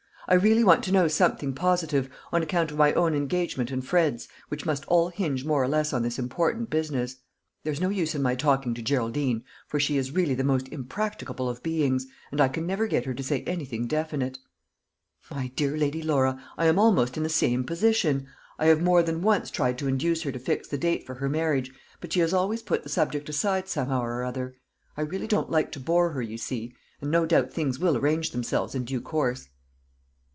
"I really want to know something positive, on account of my own engagement and Fred's, which must all hinge more or less on this important business. There's no use in my talking to Geraldine, for she is really the most impracticable of beings, and I can never get her to say anything definite." "My dear Lady Laura, I am almost in the same position. I have more than once tried to induce her to fix the date for her marriage, but she has always put the subject aside somehow or other. I really don't like to bore her, you see; and no doubt things will arrange themselves in due course."